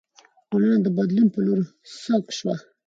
ټولنه د بدلون په لور سوق شوه.